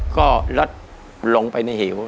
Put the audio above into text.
ก็รถลงไปในเหว